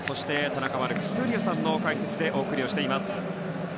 田中マルクス闘莉王さんの解説でお送りしています。